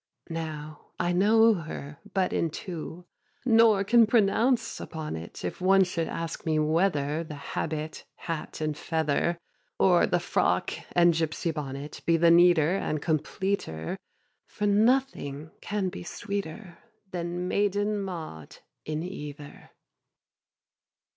Now I know her but in two, Nor can pronounce upon it If one should ask me whether The habit, hat, and feather. Or the frock and gipsy bonnet Be the neater and completer; For nothing can be sweeter Than maiden Maud in either.